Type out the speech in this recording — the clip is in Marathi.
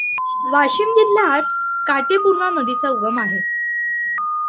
वाशीम जिल्ह्यात काटेपूर्णा नदीचा उगम आहे.